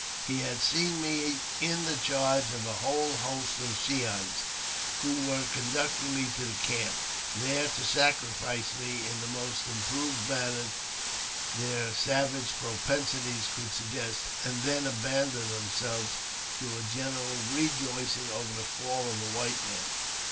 He had seen me in the charge of a whole host of Shi ans, who were conducting me to camp, th3re to sacrifice me in the most improved manner their savage propensities could suggest, and then abandon them selves to a general rejoicing over the fall of a white man.